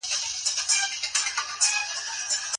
تمرین د عمومي روغتیا لپاره اړین دی.